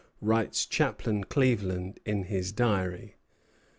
writes Chaplain Cleaveland in his Diary.